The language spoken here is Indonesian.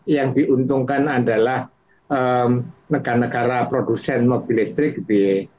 yang diuntungkan adalah negara negara produsen mobil listrik gitu ya